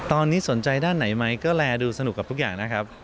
ตอนนี้สนใจด้านไหนไหมก็แลดูสนุกกับทุกอย่างนะครับ